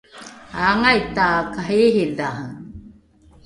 aangai takariiridhare?